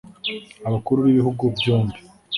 Abakuru b’ibihugu byombi